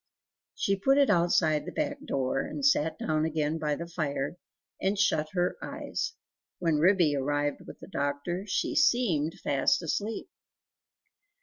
She put it outside the back door, and sat down again by the fire, and shut her eyes; when Ribby arrived with the doctor, she seemed fast asleep.